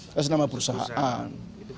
atas nama perusahaan